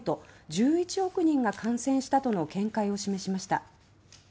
１１億人が感染したとの見解を示しました。